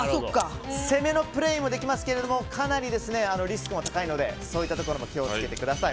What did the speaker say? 攻めのプレーもできますがかなりリスクも高いのでそういったことも気を付けてください。